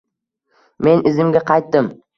Men izimga qaytdim.